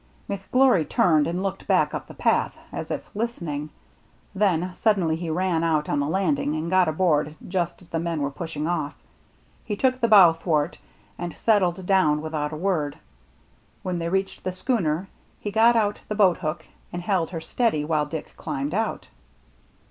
McGlory turned and looked back up the path, as if listening. Then suddenly he ran out on the landing and got aboard just as the men were pushing ofF. He took the bow thwart, and settled down without a word. When they reached the schooner, he got out the boat hook, and held her steady while Dick climbed out.